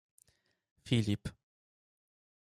Filip.